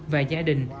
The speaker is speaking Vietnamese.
và gia đình